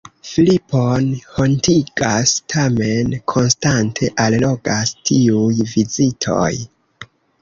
Filipon hontigas, tamen konstante allogas tiuj vizitoj.